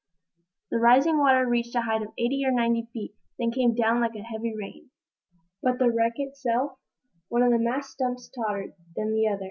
The rising water reached a height of eighty or ninety feet, then came down again like a heavy rain. But the wreck itself? One of the mast stumps tottered, then the other.